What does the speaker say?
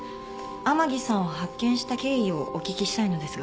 甘木さんを発見した経緯をお聞きしたいのですが。